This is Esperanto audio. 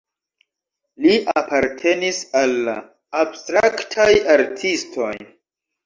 Li apartenis al la abstraktaj artistoj.